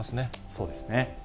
そうですね。